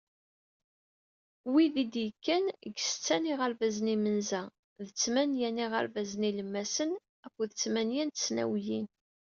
Wid i d-yekkan seg setta n yiɣerbazen imenza d tmanya n yiɣerbazen ilemmasen akked tmanya n tesnawiyin.